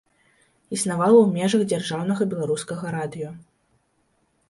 Існавала ў межах дзяржаўнага беларускага радыё.